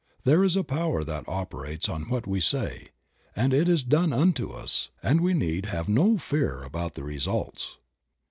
There is a power that operates on what we say, and it is done unto us, and we need have no fear about the results.